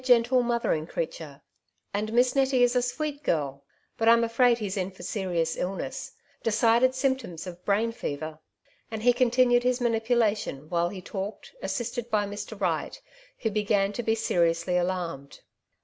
'isr, ni otier T V 204 " Two Sides to every Question^ creature, and Miss Nettie is a sweet girl ; but Tm afraid he^s in for serious illness — decided symptoms of brain fever ;^' and he continued his manipulation while he talked, assisted by Mr. Wright, who began to be seriously alarmed.